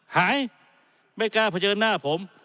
หายไม่กล้าเผชิญหน้าผม